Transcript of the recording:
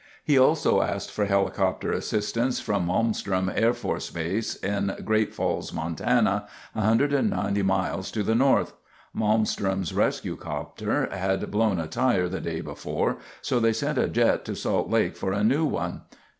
He also asked for helicopter assistance from Malmstrom Air Force Base in Great Falls, Montana, 190 miles to the north. Malmstrom's rescue copter had blown a tire the day before, so they sent a jet to Salt Lake for a new one.